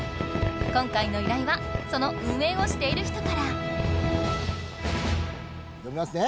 今回の依頼はその運営をしている人から！読みますね。